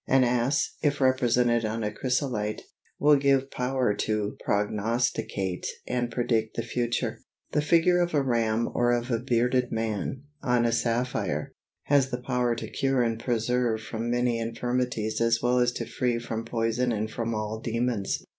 An ass, if represented on a chrysolite, will give power to prognosticate and predict the future. The figure of a ram or of a bearded man, on a sapphire, has the power to cure and preserve from many infirmities as well as to free from poison and from all demons.